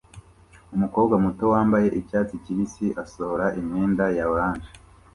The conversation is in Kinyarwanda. Umukobwa muto wambaye icyatsi kibisi asohora imyenda ya orange